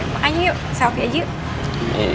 makanya yuk selfie aja